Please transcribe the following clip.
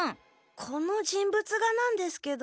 この人物画なんですけど。